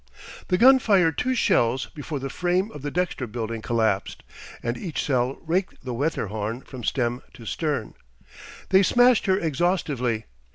The gun fired two shells before the frame of the Dexter building collapsed, and each shell raked the Wetterhorn from stem to stern. They smashed her exhaustively.